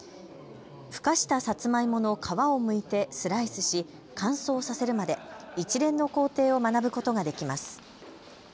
ふかしたさつまいもの皮をむいてスライスし乾燥させるまで一連の工程を学ぶことができます。